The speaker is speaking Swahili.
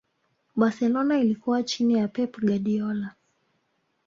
barcelona ilikuwa chini ya pep guardiola